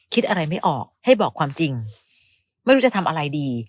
คิดอะไรไม่ออกให้บอกความจริงไม่รู้จะทำอะไรดี